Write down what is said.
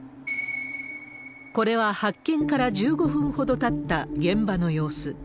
これは発見から１５分ほどたった現場の様子。